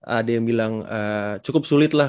ada yang bilang cukup sulit lah